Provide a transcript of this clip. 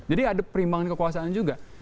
jadi ada perimbangan kekuasaan juga